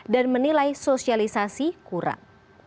dan menilai sosialisasi kurang